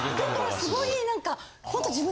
すごいね。